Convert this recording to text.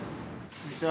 こんにちは。